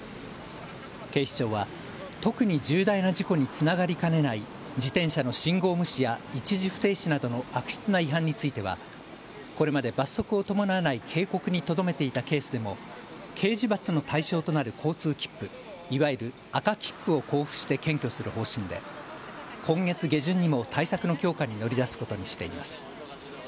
警視庁は、特に重大な事故につながりかねない自転車の信号無視や一時不停止などの悪質な違反についてはこれまで罰則を伴わない警告にとどめていたケースでも刑事罰の対象となる交通切符、いわゆる赤切符を交付して検挙する方針で今月下旬にも対策の強化に乗り出すことにしています。